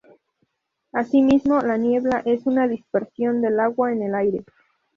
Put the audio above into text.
Asimismo, la niebla es una dispersión del agua en el aire.